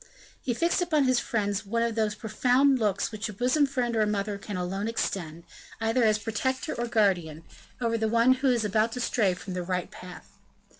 He fixed upon his friend one of those profound looks which a bosom friend or mother can alone extend, either as protector or guardian, over the one who is about to stray from the right path.